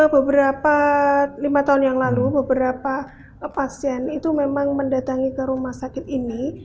beberapa lima tahun yang lalu beberapa pasien itu memang mendatangi ke rumah sakit ini